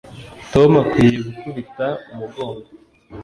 Tom akwiye gukubita umugongo